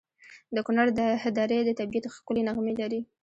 د کنړ درې د طبیعت ښکلي نغمې لري.